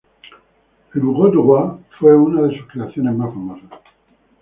El "Bureau du Roi" fue una de sus creaciones más famosas.